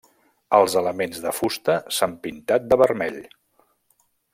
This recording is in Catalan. Els elements de fusta s'han pintat de vermell.